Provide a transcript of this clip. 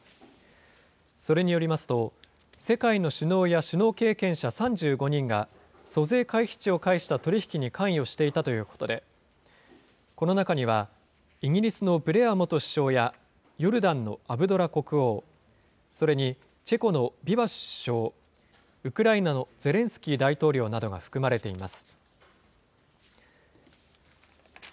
それによりますと、世界の首脳や首脳経験者３５人が、租税回避地を介した取り引きに関与していたということで、この中には、イギリスのブレア元首相やヨルダンのアブドラ国王、それにチェコのびばしゅ首相、ウクライナのゼレンスキー大統領などが含まれています。